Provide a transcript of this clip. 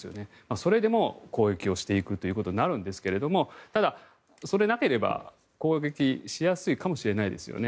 それでも攻撃をしていくということになるんですがただ、それがなければ攻撃しやすいかもしれないですよね。